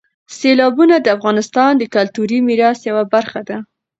سیلابونه د افغانستان د کلتوري میراث یوه برخه ده.